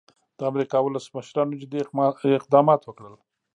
د امریکا ولسمشرانو جدي اقدامات وکړل.